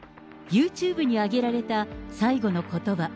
ユーチューブに上げられた最後のことば。